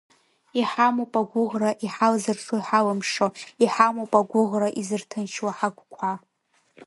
Иҳамоуп агәыӷра иҳалзыршо иҳалымшо, иҳамоуп агәыӷра изырҭынчуа ҳагәқәа.